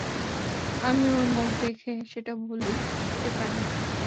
আমি ওর মুখ দেখে সেটা বলতে পারি।